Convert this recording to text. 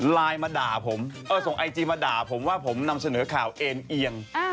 ไลน์มาด่าผมส่งไอจีมาด่าผมว่าผมนำเสนอข่าวเอ็นเอียง